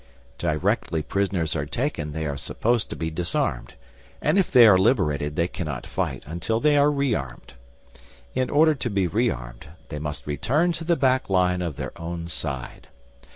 Directly prisoners are taken they are supposed to be disarmed, and if they are liberated they cannot fight until they are rearmed. In order to be rearmed they must return to the back line of their own side.